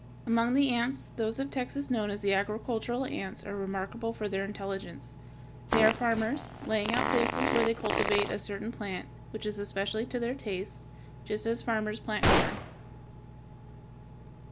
Among the ants, those of Texas known as the agricultural ants are remarkable for their intelligence. They are farmers, laying out places which they cultivate with a certain plant, which is especially to their taste, just as farmers plant corn.